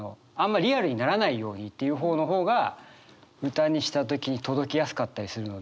リアルにならないようにっていう方の方が歌にした時に届きやすかったりするので。